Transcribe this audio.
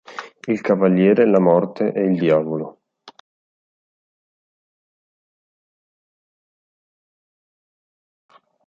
Il cavaliere, la morte e il diavolo.